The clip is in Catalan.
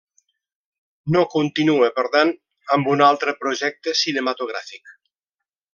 No continua, per tant, amb un altre projecte cinematogràfic.